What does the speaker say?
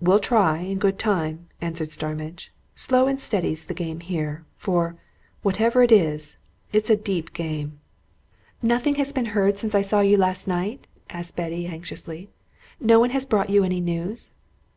"We'll try, in good time," answered Starmidge. "Slow and steady's the game here. For, whatever it is, it's a deep game." "Nothing has been heard since I saw you last night?" asked Betty anxiously. "No one has brought you any news?"